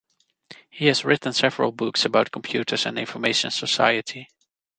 He has written several books about computers and information society.